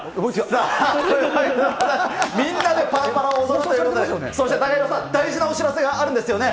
さあ、みんなでパラパラを踊るということで、そしてＴＡＫＡＨＩＲＯさん、大事なお知らせがあるんですよね。